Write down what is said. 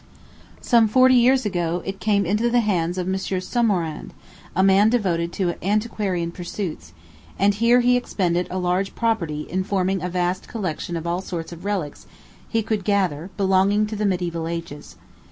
Some forty years ago, it came into the hands of M. Sommerard, a man devoted to antiquarian pursuits, and here he expended a large property in forming a vast collection of all sorts of relics he could gather belonging to the medieval ages.